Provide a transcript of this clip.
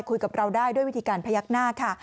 คุยกับเราได้ด้วยวิธีการพยักหน้าค่ะ